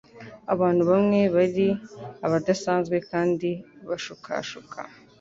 Abantu bamwe bari abadasanzwe kandi bashukashuka